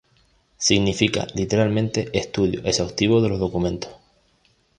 Significa literalmente "Estudio exhaustivo de los documentos".